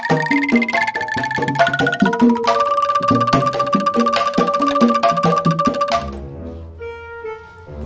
mr competisi yang nada